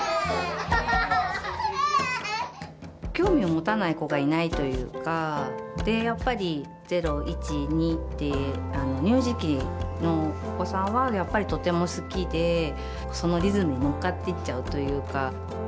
興味を持たない子がいないというかでやっぱり０１２って乳児期のお子さんはやっぱりとても好きでそのリズムにのっかっていっちゃうというか。